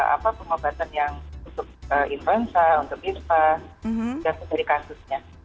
apa pengobatan yang untuk influenza untuk lirpa dan sebagainya